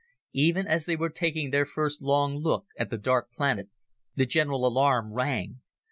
Even as they were taking their first long look at the dark planet, the general alarm rang.